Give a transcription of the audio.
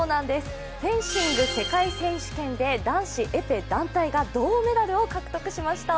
フェンシング世界選手権で男子エペ団体が銅メダルを獲得しました。